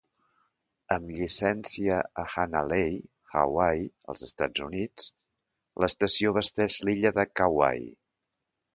Amb llicencia a Hanalei, Hawaii, als Estats Units, l'estació abasteix l'illa de Kauai.